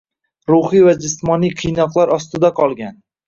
Ruhiy va jismoniy qiynoqlar ostida qolgan.